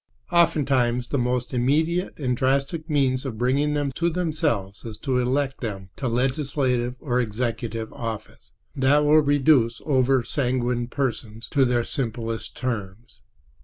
Oftentimes the most immediate and drastic means of bringing them to themselves is to elect them to legislative or executive office. That will reduce over sanguine persons to their simplest terms.